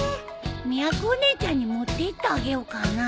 みやこお姉ちゃんに持っていってあげようかな。